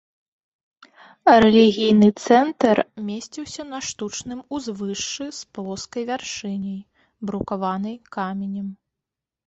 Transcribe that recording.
Рэлігійны цэнтр месціўся на штучным узвышшы з плоскай вяршыняй, брукаванай каменем.